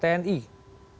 di lingkungan tni